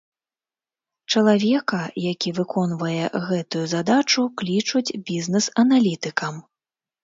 Чалавека, які выконвае гэтую задачу, клічуць бізнес-аналітыкам.